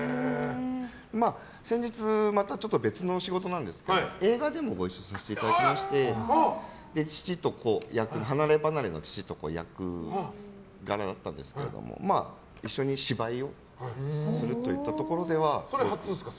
先日、別の仕事なんですけど映画でもご一緒させていただきまして離ればなれの父と子の役柄だったんですけど一緒に芝居をするといったところでは。